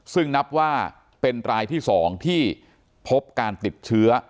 ซึ่งนับว่าเป็นรายที่๒ที่พบการติดเชื้อ